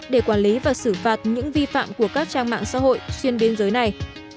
để quản lý và xử phạt những vi phạm của các trang mạng xã hội xuyên biên giới này